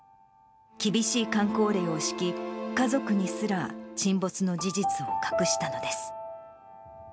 厳しいかん口令を敷き、家族にすら沈没の事実を隠したのです。